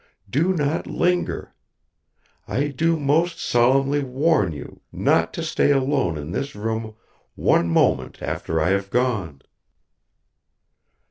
Do not linger. I do most solemnly warn you not to stay alone in this room one moment after I have gone."